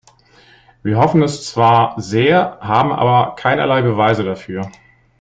Wir hoffen es zwar sehr, haben aber keinerlei Beweise dafür.